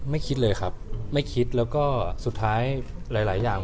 คิดเลยครับไม่คิดแล้วก็สุดท้ายหลายอย่าง